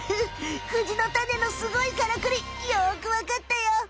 フジのタネのすごいカラクリよくわかったよ！